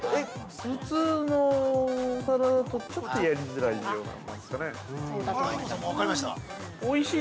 ◆普通のお皿だと、ちょっとやりづらいようなものなんですかね。